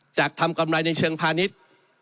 จากทำกำไรในเชิงพาณิชย์